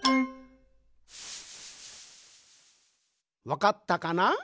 わかったかな？